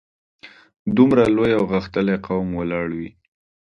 دومره لوی او غښتلی قوم ولاړ وي.